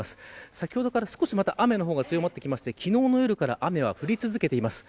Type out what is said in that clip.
先ほどから少し雨の方が強まってきて昨日の夜から雨が降り続けています。